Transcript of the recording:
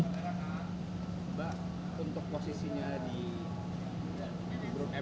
mbak untuk posisinya di